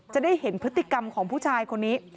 จะได้เห็นพฤติกรรมของผู้ชายคนนี้